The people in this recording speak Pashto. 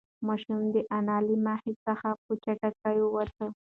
ماشوم د انا له مخې څخه په چټکۍ ووت.